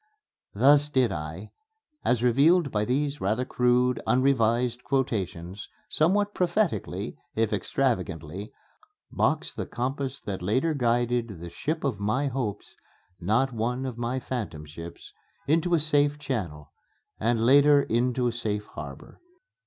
Thus did I, as revealed by these rather crude, unrevised quotations, somewhat prophetically, if extravagantly, box the compass that later guided the ship of my hopes (not one of my phantom ships) into a safe channel, and later into a safe harbor.